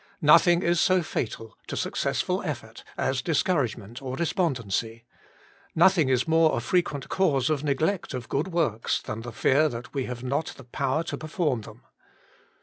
Nothing is so fatal to successful effort as discourage ment or despondency. Nothing is more a frequent cause of neglect of good works than the fear that we have not the power to perform them.